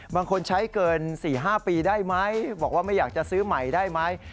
บางคนใช้เกิน๔๕ปีได้ไหมบอกว่าไม่อยากจะซื้อใหม่ได้ไหม